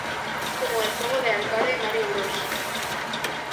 Como el juego de arcade "Mario Bros.